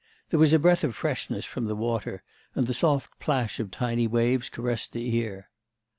There was a breath of freshness from the water, and the soft plash of tiny waves caressed the ear.